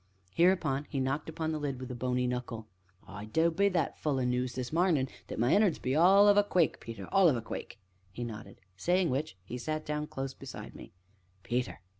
Hereupon he knocked upon the lid with a bony knuckle. "I du be that full o' noos this marnin' that my innards be all of a quake, Peter, all of a quake!" he nodded, saying which, he sat down close beside me. "Peter."